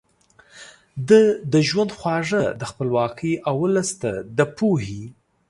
ده د ژوند خواږه د خپلواکۍ او ولس ته د پوهې